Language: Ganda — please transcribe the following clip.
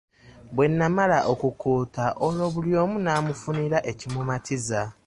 Bwe naamala okukkuta olwo buli omu naamufunira ekimumatiza.